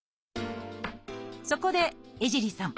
そこで江尻さん